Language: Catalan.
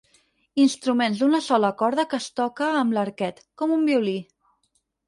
Instruments d'una sola corda que es toca amb l'arquet, com un violí.